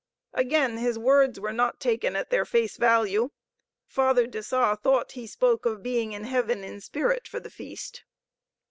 Again his words were not taken at their face value. Father de Sa thought he spoke of being in heaven in spirit for the feast.